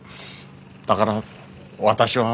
だから私は。